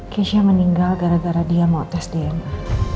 keisha meninggal gara gara dia mau tes dna